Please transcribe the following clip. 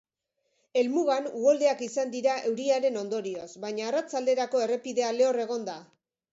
Helmugan uholdeak izan dira euriaren ondorioz, baina arratsalderako errepidea lehor egon da.